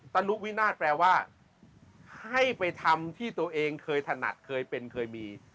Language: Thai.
นุวินาศแปลว่าให้ไปทำที่ตัวเองเคยถนัดเคยเป็นเคยมี